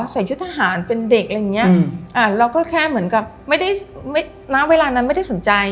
ใส่ชุดทหารเป็นเด็กอะไรอย่างเงี้ยเราก็แค่เหมือนกับไม่ได้ณเวลานั้นไม่ได้สนใจ